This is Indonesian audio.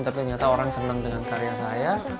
tapi ternyata orang senang dengan karya saya